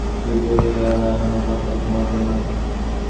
যুদ্ধ-বিগ্রহ লইয়া আমরা কখনও মাথা ঘামাইতাম না।